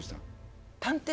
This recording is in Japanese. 『探偵！